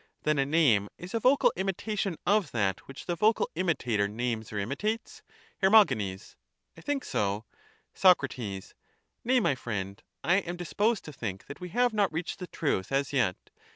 Then a name is a vocal imitation of that which the vocal imitator names or imitates? Her. I think so. Soc. Nay, my friend, I am disposed to think that we have not reached the truth as yet.